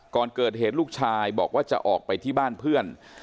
ก่อนเกิดเหตุลูกชายบอกว่าจะออกไปที่บ้านเพื่อน